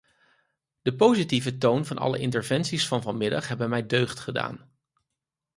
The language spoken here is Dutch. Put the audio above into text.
De positieve toon van alle interventies van vanmiddag hebben mij deugd gedaan.